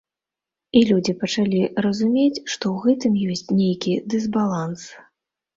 І людзі пачалі разумець, што ў гэтым ёсць нейкі дысбаланс.